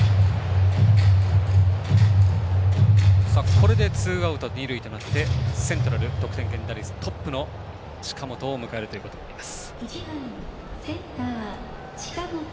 これでツーアウト二塁となってセントラル、得点圏打率トップ近本を迎えることになります。